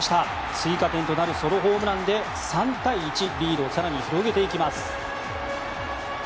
追加点となるソロホームランで３対１リードを更に広げていきます。